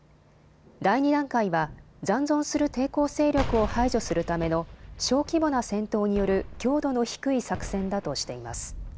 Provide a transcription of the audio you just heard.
第２段階は残存する抵抗勢力を排除するための小規模な戦闘による強度の低い作戦だとしています。